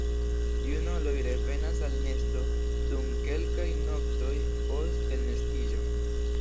Junuloj revenas al nesto dum kelkaj noktoj post elnestiĝo.